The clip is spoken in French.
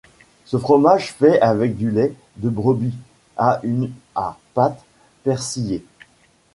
Ce fromage fait avec du lait de brebis a une à pâte persillée.